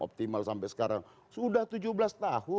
optimal sampai sekarang sudah tujuh belas tahun lahirnya tuh